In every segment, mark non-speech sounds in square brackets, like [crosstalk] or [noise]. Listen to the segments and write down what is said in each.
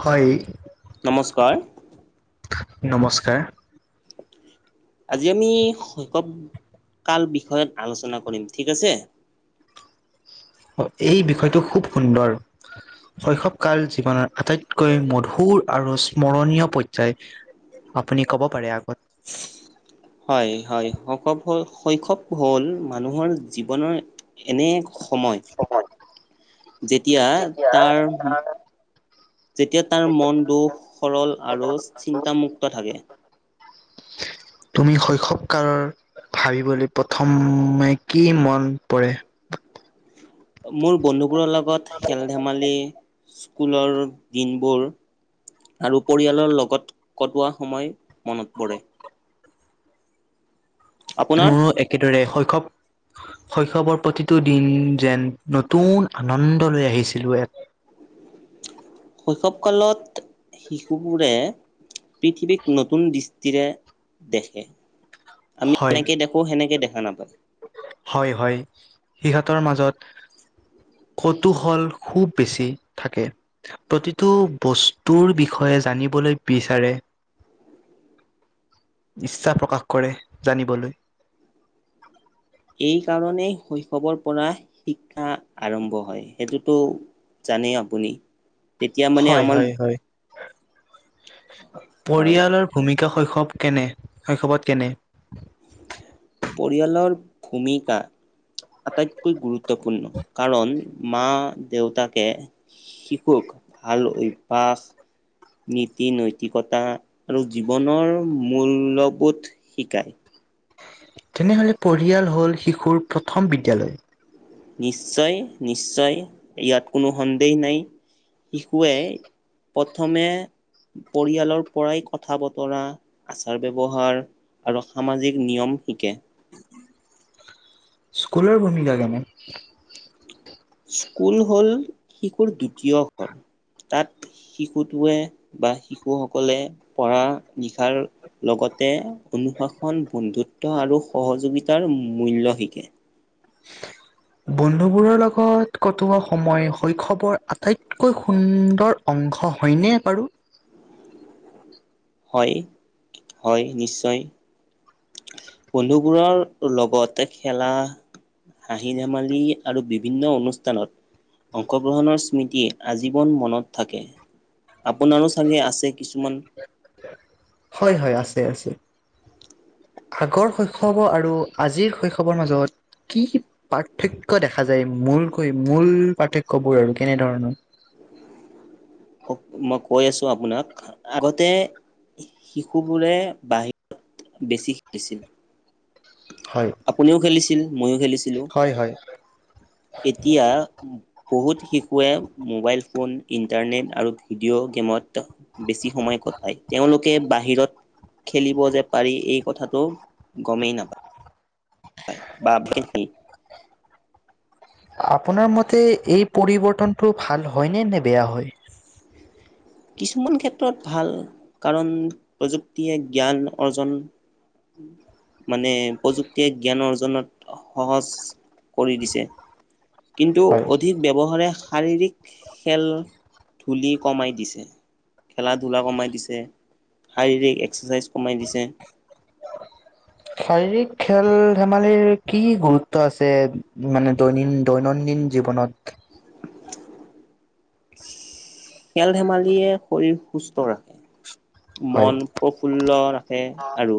হয় নমস্কাৰ নমস্কাৰ আজি আমি শৈশৱ কাল বিষয়ত আলোচনা কৰিম ঠিক আছে এই বিষয়টো খুৱ সুন্দৰ শৈশৱ কাল জীৱনৰ আটাইতকৈ মধুৰ আৰু স্মৰণীয় পৰ্যায় আপুনি কব পাৰে আগত হয় হয় শৈশৱ শৈশৱ হ'ল মানুহৰ জীৱনৰ এনে সময় অ হয় যেতিয়া তাৰ যেতিয়া তাৰ মন দুখ সৰল আৰু চিন্তামুক্ত থাকে। [inaudible] তুমি শৈশৱ কাল ভাবিবলৈ প্ৰথমে কি মন পৰে? মোৰ বন্ধুবোৰৰ লগত খেল - ধেমালি, স্কুলৰ দিনবোৰ আৰু পৰিয়ালৰ লগত কটোৱা সময় মনত পৰে। আপোনাৰ? কেদৰে শৈশৱ শৈশৱৰ প্ৰতিটো দিন যেন নতুন আনন্দ লৈ আহিছিলো এক শৈশৱ কালত শিশুবোৰে পৃথিৱীক নতুন দৃষ্টিৰে দেখে। আমি হয় যেনেকে দেখো সেনেকে দেখা নাপায়। হয় হয় সিহঁতৰ মাজত কৌতোহল খুব বেছি থাকে। প্ৰতিটো বস্তুৰ বিষয়ে জানিবলৈ বিচাৰে। ইচ্ছা প্ৰকাশ কৰে জানিবলৈ। এই কাৰণেই শৈশৱৰ পৰা শিক্ষা আৰম্ভ হয় সেইটোতো জানে আপুনি তেতিয়া মানে হয় আমাৰ হয় হয়। হয় পৰিয়ালৰ ভূমিকা শৈশৱ কেনে শৈশৱত কেনে? পৰিয়ালৰ ভূমিকা আটাইতকৈ গুৰুত্বপূৰ্ণ কাৰণ মা - দেউতাকে শিশুক ভাল অভ্যাস নীতি নৈতিকতা আৰু জীৱনৰ মূল্যবোধ শিকায়। তেনেহলে পৰিয়াল হল শিশুৰ প্ৰথম বিদ্যালয়। নিশ্চয় নিশ্চয় ইয়াত কোনো সন্দেহ নাই। শিশুৱে প্ৰথমে পৰিয়ালৰ পৰাই কথা - বতৰা, আচাৰ - ব্যৱহাৰ আৰু সামাজিক নিয়ম শিকে। স্কুলৰ ভূমিকা কেনে? স্কুল হ'ল শিশুৰ দ্বিতীয় ঘৰ, তাত শিশুটোৱে বা শিশুসকলে পঢ়া লিখাৰ লগতে অনুশাসন বন্ধুত্ব আৰু সহযোগিতাৰ মূল্য শিকে। বন্ধুবোৰৰ লগত কটোৱা সময় শৈশৱৰ আটাইতকৈ সুন্দৰ অংশ হয়নে বাৰু? হয়, হয় নিশ্চয়। বন্ধুবোৰৰ লগতে খেলা হাঁহি ধেমালি আৰু বিভিন্ন অনুষ্ঠানত অংশগ্ৰহণৰ স্মৃতিয়ে আজীৱন মনত থাকে। আপোনাৰো চাগে আছে কিছুমান হয় হয় আছে আছে। আগৰ শৈশৱ আৰু আজিৰ শৈশৱৰ মাজত কি পাৰ্থক্য দেখা যায় মূলকৈ মূল পাৰ্থক্যবোৰ আৰু কেনেধৰণৰ? হ মই কৈ আছো আপোনাক, আগতে শিশুবোৰে বাহি বেছি খেলিছিল। হয়। আপুনিও খেলিছিল ময়ো খেলিছিলোঁ, হয় হয় এতিয়া বহুত শিশুৱে মোবাইল ফোন, ইণ্টাৰনেট আৰু ভিডিঅ' গেমত বেছি সময় কটায়, তেওঁলোকে বাহিৰত খেলিব যে পাৰি এই কথাটো গমেই নাপা [unintelligible] আপোনাৰ মতে এই পৰিৱৰ্তনটো ভাল হয়নে নে বেয়া হয়? কিছুমান ক্ষেত্ৰত ভাল। কাৰণ প্ৰযুক্তিয়ে জ্ঞান অৰ্জন মানে প্ৰযুক্তিয়ে জ্ঞান অৰ্জনত সহজ কৰি দিছে। কিন্তু হয়, অধিক ব্যৱহাৰে শাৰীৰিক খেল, ধূলি কমাই দিছে। খেলা-ধূলা কমাই দিছে, শাৰীৰিক এক্সাৰচাইজ কমাই দিছে। শাৰীৰিক খেল-ধেমালিৰ কি গুৰুত্ব আছে মানে দৈনিন দৈনন্দিন জীৱনত খেল-ধেমালিয়ে শৰীৰ সুস্থ ৰাখে। হয়। মন প্ৰফুল্ল ৰাখে, আৰু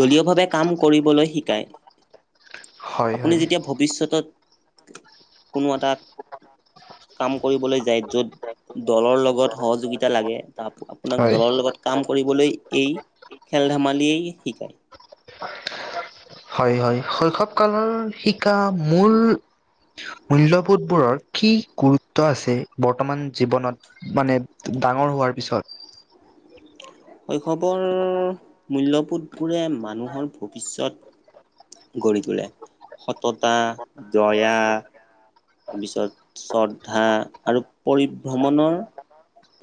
দলীয় ভাৱে কাম কৰিবলৈ শিকায়। হয়, আপুনি হয়। যেতিয়া ভৱিষ্যতত কোনো এটা কাম কৰিবলৈ যায়, য'ত দলৰ লগত সহযোগিতা লাগে, তাত আপোনাক হয়, দলৰ লগত কাম কৰিবলৈ এই খেল-ধেমালিয়েই শিকায়। হয়, হয়, শৈশৱ কালৰ শিকা মূল মূল্যবোধ বোৰৰ কি গুৰুত্ব আছে বৰ্তমান জীৱনত মানে ডাঙৰ হোৱাৰ পিছত। শৈশৱৰ মূল্যবোধ বোৰে মানুহৰ ভৱিষ্যত গঢ়ি তোলে, সততা, দয়া তাৰ পিছত শ্ৰদ্ধা আৰু পৰিভ্ৰমণৰ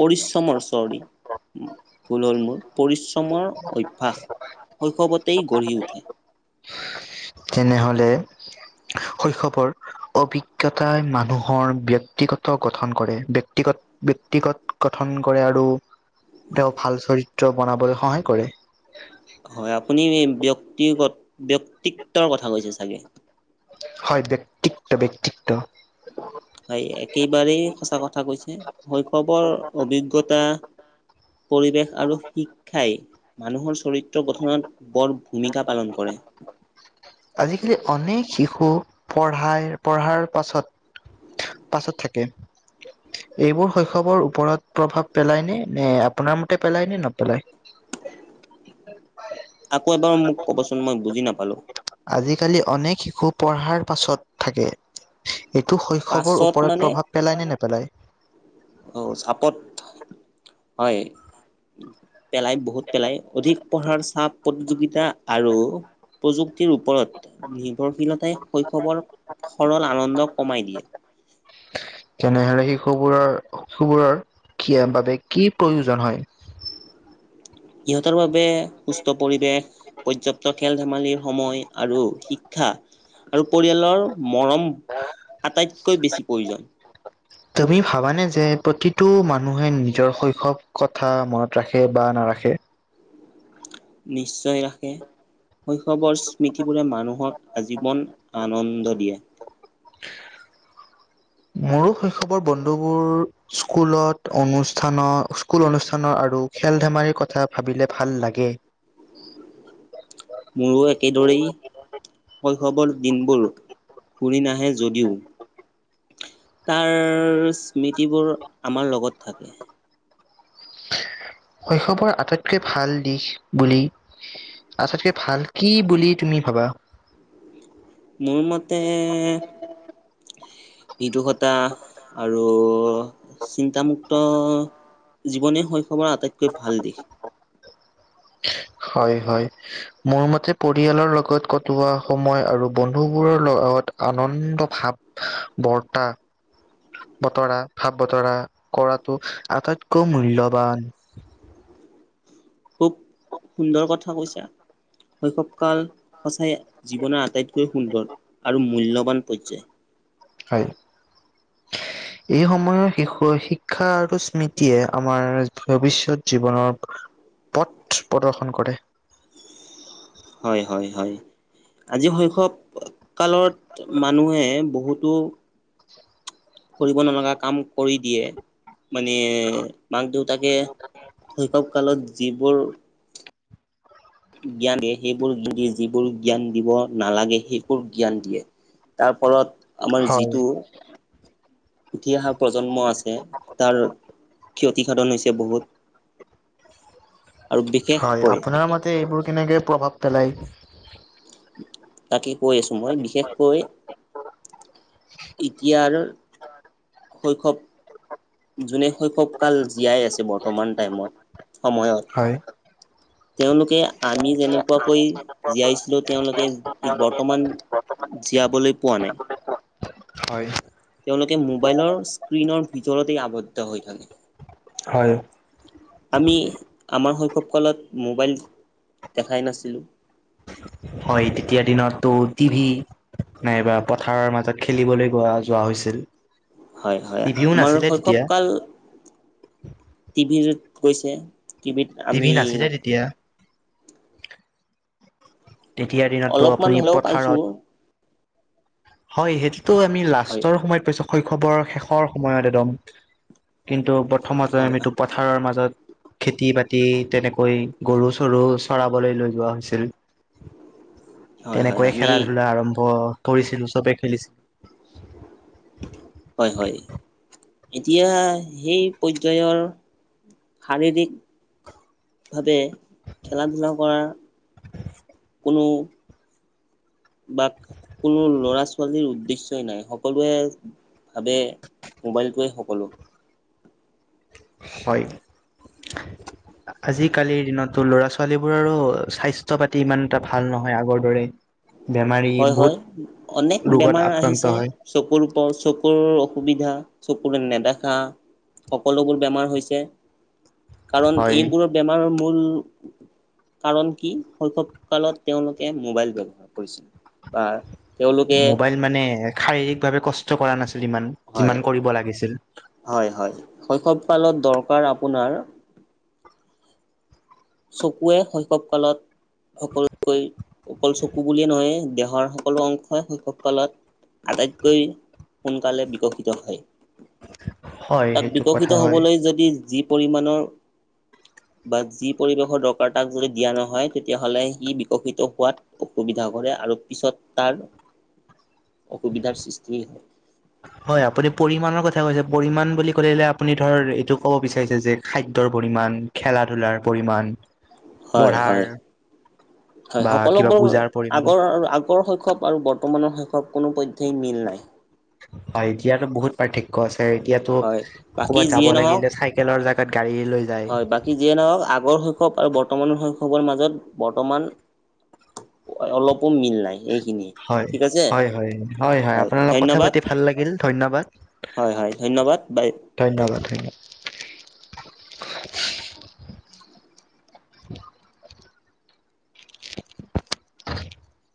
পৰিশ্ৰমৰ চৰি! ভুল হ'ল মোৰ, পৰিশ্ৰমৰ অভ্যাস। শৈশৱতেই গঢ়ি উঠে। তেনেহ'লে শৈশৱৰ অভিজ্ঞতাই মানুহৰ ব্যক্তিগত গঠন কৰে। ব্যক্তিগত ব্যক্তিগত গঠন কৰে আৰু তেওঁ ভাল চৰিত্ৰ বনাবলৈ সহায় কৰে। হয়, আপুনি ব্যক্তিগত, ব্যক্তিত্বৰ কথা কৈছে চাগে! হয়, ব্যক্তিত্ব ব্যক্তি হয়, একেবাৰেই সঁচা কথা কৈছে শৈশৱৰ অভিজ্ঞতা পৰিৱেশ আৰু শিক্ষাই, মানুহৰ চৰিত্ৰ গঠনত বৰ ভূমিকা পালন কৰে। আজিকালি অনেক শিশু, পঢ়াই পঢ়াৰ পাছত, পাছত থাকে। এইবোৰ শৈশৱৰ ওপৰত প্ৰভাৱ পেলায় নে? নে আপোনাৰ মতে পেলায় নে নপেলায়? আকৌ এবাৰ মোক ক'বচোন মই বুজি নাপালোঁ! আজিকালি অনেক শিশু পঢ়াৰ পাছত থাকে। এইটো শৈশৱৰ পাছত ওপৰত মানে প্ৰভাৱ পেলায় নে নেপেলায়‌? অ [unintelligible] হয়। পেলায় বহুত পেলায়। অধিক পঢ়াৰ চাপ প্ৰতিযোগিতা আৰু প্ৰযুক্তিৰ ওপৰত নিৰ্ভৰশীলতাই শৈশৱৰ সৰল আনন্দ কমাই দিয়ে। তেনেহলে শিশুবোৰৰ শিশুবোৰ কিয় বাবে, কি প্ৰয়োজন হয়? সিহঁতৰ বাবে সুস্থ পৰিৱেশ, - পৰ্যাপ্ত খেল- ধেমালি, সময় আৰু শিক্ষা। আৰু পৰিয়ালৰ মৰম আটাইতকৈ বেছি প্ৰয়োজন। তুমি ভাবানে যে প্ৰতিটো মানুহে নিজৰ শৈশৱ কথা মনত ৰাখে বা নাৰাখে? নিশ্চয় ৰাখে। শৈশৱৰ স্মৃতিবোৰে মানুহক আজীৱন আনন্দ দিয়ে। মোৰো শৈশৱৰ বন্ধুবোৰ- স্কুলত, অনুষ্ঠানৰ স্কুল অনুষ্ঠানৰ আৰু খেল ধেমালিৰ কথা ভাবিলে ভাল লাগে। মোৰো একেদৰেই শৈশৱৰ দিনবোৰ ঘুৰি নাহে যদিও। তাৰ স্মৃতিবোৰ আমাৰ লগত থাকে। শৈশৱৰ আটাইতকৈ ভাল দিশ বুলি- আটাইতকে ভাল কি বুলি তুমি ভাবা? মোৰ মতে- বিদুহতা আৰু চিন্তামুক্তৰ- জীৱনেই শৈশৱৰ আটাইতকৈ ভাল দিশ। হয়, হয়। মোৰ মতে পৰিয়ালৰ লগত কটোৱা সময় আৰু বন্ধুবোৰৰ লগত আনন্দ ভাৱ- বৰটা, - বতৰা, ভাৱ বতৰা কৰাটো আটাইতকৈ মূল্যবান। খুব সুন্দৰ কথা কৈছা। শৈশৱকাল সঁচাই জীৱনৰ আটাইতকৈ সুন্দৰ আৰু মূল্যৱান পৰ্যায়। হয়। এই সময়ৰ শিশু শিক্ষা আৰু স্মৃতিয়ে আমাৰ ভৱিষ্যত জীৱনত - পথ প্ৰদৰ্শন কৰে। হয়, হয়, হয়। আজি শৈশৱ কালত মানুহে বহুতো- কৰিব নলগা কাম কৰি দিয়ে। মানে মাক দেউতাকে শৈশৱ কালত যিবোৰ- জ্ঞানে সেইবোৰ গিধি যিবোৰ জ্ঞান দিব নালাগে সেইবোৰ জ্ঞান দিয়ে। তাৰফলত- আমাৰ হয়, যিটো উঠি অহা প্ৰজন্ম আছে তাৰ- ক্ষতিসাধন হৈছে বহুত। আৰু হয়, বিশেষকৈ আপোনাৰ মতে এইবোৰ কেনেকে প্ৰভাৱ পেলায়? তাকে কৈ আছো, মই বিশেষকৈ- এতিয়া আৰু শৈশৱ- যোনে শৈশৱ কাল জীয়াই আছে বৰ্তমান টাইমত সময়ত- হয়। তেওঁলোকে আমি যেনেকুৱাকৈ- জীয়াইছিলো, তেওঁলোকে বৰ্তমান জীয়াবলৈ পোৱা নাই। হয়। তেওঁলোকে মোবাইলৰ স্ক্ৰিনৰ ভিতৰতেই আবদ্ধ হৈ থাকে। হয়। আমি আমাৰ শৈশৱ কালত মোবাইল দেখাই নাছিলোঁ। হয়, তেতিয়া দিনতটো টিভি- নাইবা পথাৰৰ মাজত খেলিবলৈ গোৱা, যোৱা হৈছিল। হয়- হয় টিভিও আমাৰ নাছিলে শৈশৱ তেতিয়া, কাল টিভিত গৈছে। টিভিত টিভি আমি নাছিলে তেতিয়া। তেতিয়াৰ দিনতটো অলপমান আপুনি হ'লেও পাইছো পথাৰত। হয়, সেইটোতো আমি হয় লাষ্টৰ সময়ত পাইছো। শৈশৱৰ শেষৰ সময়ত একদ, ম কিন্তু প্ৰথমতে হয় আমিতো পথাৰৰ মাজত। খেতি- বাতি তেনেকৈ গৰু চৰু চৰাবলৈ লৈ যোৱা হৈছিল। হয় হয় তেনেকৈয়ে আমি খেলা -ধূলা আৰম্ভ কৰিছিলো, চবে খেলিছিল। হয়- হয় এতিয়া সেই পৰ্যায়ৰ। শাৰীৰিক ভাৱে খেলা -ধূলা কৰা। কোনো। বা কোনো লৰা- ছোৱালীৰ উদ্দেশ্যই নাই সকলোৱে। ভাৱে মোবাইলটোৱে সকলো। হয়। আজিকালিৰ দিনতটো ল'ৰা ছোৱালীবোৰৰো স্বাস্থ্য পাতি ইমান এটা ভাল নহয় আগৰ দৰে। বেমাৰী হয় হয় অনেক বহুত ৰোগত বেমাৰ আহিছে আক্ৰান্ত হয়। চকুৰ প চকুৰ অসুবিধা চকুৰে নেদেখা। সকলোবোৰ বেমাৰ হৈছে, কাৰণ হয়। এইবোৰৰ বেমাৰৰ মূল। কাৰণ কি শৈশৱ কালত তেওঁলোকে মোবাইল ব্যৱহাৰ কৰিছিল। বা। তেওঁলোকে মোবাইল মানে শাৰীৰিক ভাৱে কষ্ট কৰা নাছিল। ইমান হয় যিমান কৰিব লাগিছিল। হয়- হয় শৈশৱ কালত দৰকাৰ আপোনাৰ। চকুৱে শৈশৱ কালত। সকলোতকৈ অকল চকু বুলিয়ে নহয় দেহৰ সকলো অংশই শৈশৱ কালত। আটাইতকৈ সোনকালে বিকশিত হয়। হয় তাক সেইটো বিকশিত কথা হয়। হ'বলৈ যদি যি পৰিমাণৰ বা যি পৰিৱেশৰ দৰকাৰ তাক যদি দিয়া নহয় তেতিয়াহ'লে সি বিকশিত হোৱাত অসুবিধা কৰে আৰু পিছত তাৰ অসুবিধাৰ সৃষ্টি হয়। হয়। হয় আপুনি পৰিমাণৰ কথা কৈছে পৰিমাণ বুলি কলেযে আপুনি ধৰ এইটো ক'ব বিচাৰিছে যে খাদ্যৰ পৰিমাণ। খেলা -ধূলাৰ পৰিমাণ। হয়- পঢ়াৰ হয় -হয় বা কিবা সকলোবোৰ বুজাৰ পৰিমাণ আগৰ আৰু আগ আগৰৰ শৈশৱ আৰু বৰ্তমানৰ শৈশৱ কোনো পধ্যেই মিল নাই। হয়, এতিয়াতো বহুত পাৰ্থক্য আছে এতিয়াতো হয় বাকী ক'বাত যাব যিয়ে নহওক লাগিলে চাই চাইকেলৰ জাগাত গাড়ী লৈ যায় হয় বাকী যিয়ে নহওঁক আগৰ শৈশৱ আৰু বৰ্তমানৰ শৈশৱৰ মাজত বৰ্তমান অলপো মিল নাই এইখিনিয়ে। হয়, ঠিক আছে হয়- হয়- হয় -হয় আপোনাৰ লগত কথা পাতি ভাল লাগিল ধন্যবাদ। হয়- হয় ধন্যবাদ বাই। ধন্যবাদ থাকিল। [inaudible]